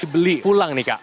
beli pulang nih kak